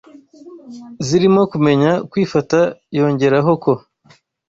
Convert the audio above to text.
zirimo kumenya kwifata, yongeraho ko